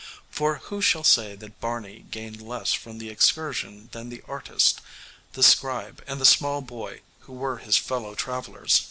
For who shall say that Barney gained less from the excursion than the Artist, the Scribe and the Small Boy who were his fellow travellers?